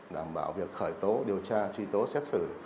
đảm bảo việc khởi tố điều tra truy tố xét xử